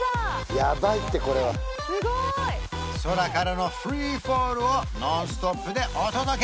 やばいってこれはすごい空からのフリーフォールをノンストップでお届け！